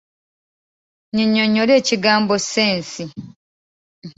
Nnyinyonnyola ekigambo ssensi.